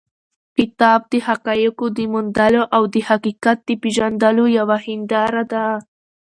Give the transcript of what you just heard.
کتاب د حقایقو د موندلو او د حقیقت د پېژندلو یوه هنداره ده.